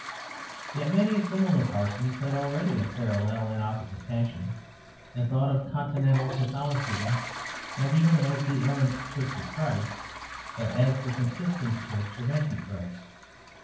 Yet many similar parsons had already a parallel and opposite passion, and thought of Continental Catholicism not even as the errant Church of Christ, but as the consistent Church of Antichrist.